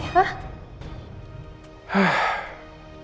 payah banget aku serimba